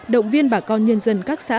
động viên bà con nhân dân các xã